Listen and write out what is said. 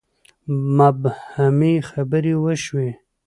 مبهمې خبرې وشوې.